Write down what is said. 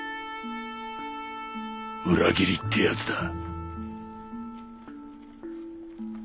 裏切りってやつだ。